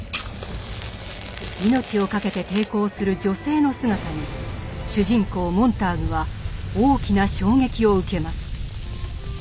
命をかけて抵抗する女性の姿に主人公モンターグは大きな衝撃を受けます。